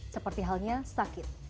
seperti halnya sakit